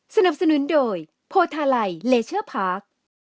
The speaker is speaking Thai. สนับสนุนโดยโพทาไลเลเชอร์พาร์ค